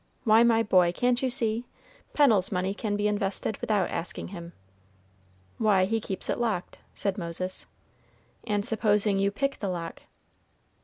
Why, my boy, can't you see? Pennel's money can be invested without asking him." "Why, he keeps it locked," said Moses. "And supposing you pick the lock?"